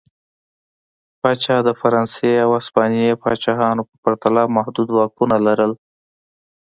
پاچا د فرانسې او هسپانیې پاچاهانو په پرتله محدود واکونه لرل.